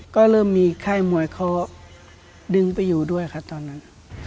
ก็เริ่มมีค่ายมวยเขาดึงไปอยู่ด้วยค่ะตอนนั้น